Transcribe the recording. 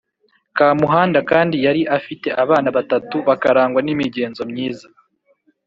Kamuhanda kandi yari afite abana batatu bakarangwa n’imigenzo myiza.